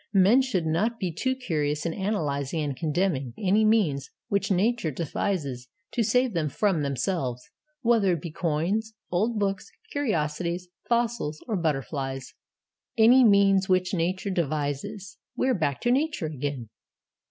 'Men should not be too curious in analysing and condemning any means which Nature devises to save them from themselves, whether it be coins, old books, curiosities, fossils, or butterflies.' 'Any means which Nature devises.' We are back to Nature again.